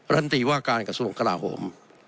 ันตีว่าการกระทรวงกลาโหม